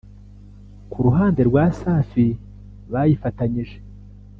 Ku ruhande rwa Safi bayifatanyije